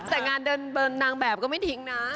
แต่งานเดินนางแบบก็ไม่ทิ้งนะ